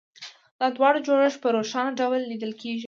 د دواړو جوړښت په روښانه ډول لیدل کېږي